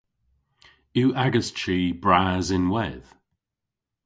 Yw agas chi bras ynwedh?